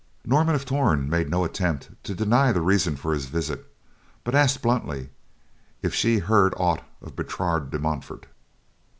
Norman of Torn made no attempt to deny the reason for his visit, but asked bluntly if she heard aught of Bertrade de Montfort.